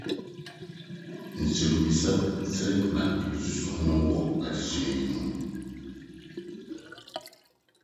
Nsɛmmisa bɛn na yebesusuw ho wɔ adesua yi mu?